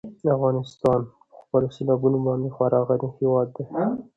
افغانستان په خپلو سیلابونو باندې خورا غني هېواد دی.